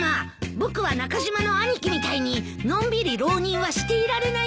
僕は中島の兄貴みたいにのんびり浪人はしていられない身なんだ。